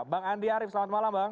bang andi arief selamat malam bang